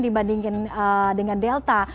dibandingkan dengan delta